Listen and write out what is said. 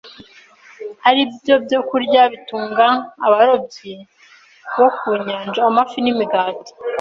ari byo byokurya bitunga abarobyi bo ku nyanja: amafi n’imigati.